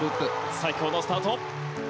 最高のスタート！